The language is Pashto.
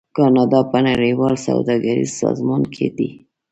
کاناډا په نړیوال سوداګریز سازمان کې دی.